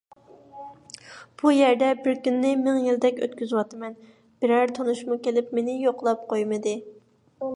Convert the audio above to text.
بۇ يەردە بىر كۈننى مىڭ يىلدەك ئۆتكۈزۈۋاتىمەن، بىرەر تونۇشمۇ كېلىپ مېنى يوقلاپ قويمىدى.